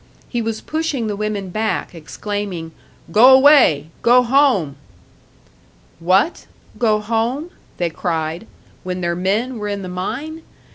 He was pushing the women back, exclaiming, "Go away! Go home!" What? Go home? they cried. When their men were in the mine?